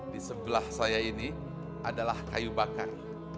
di sebelah saya ini adalah kayu bakar